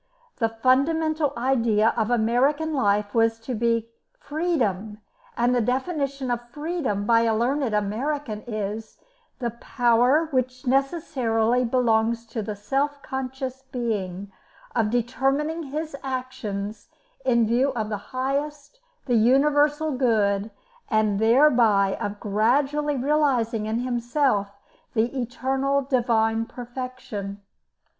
The fundamental idea of American life was to be "Freedom," and the definition of "Freedom" by a learned American is, "The power which necessarily belongs to the self conscious being of determining his actions in view of the highest, the universal good, and thereby of gradually realising in himself the eternal divine perfection."